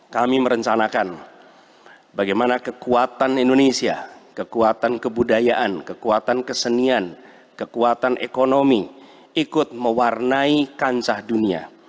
kami merencanakan bagaimana kekuatan indonesia kekuatan kebudayaan kekuatan kesenian kekuatan ekonomi ikut mewarnai kancah dunia